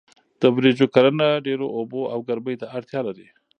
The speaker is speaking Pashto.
د وریژو کرنه ډیرو اوبو او ګرمۍ ته اړتیا لري.